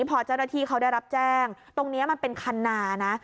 พอเจ้าหน้าที่เขาได้รับแจ้งตรงนี้มันเป็นคันนานะ